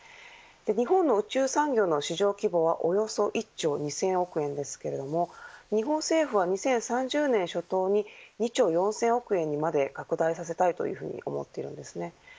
日本の宇宙産業の市場規模はおよそ１兆２０００億円ですけれども日本政府は、２０３０年初頭に２兆４０００億円にまで拡大させたいというふうに思っています。